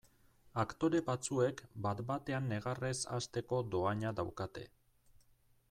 Aktore batzuek bat batean negarrez hasteko dohaina daukate.